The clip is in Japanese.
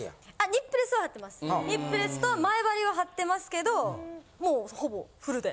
ニップレスと前貼りは貼ってますけどもうほぼフルで。